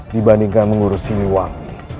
dibandingkan mengurus siliwang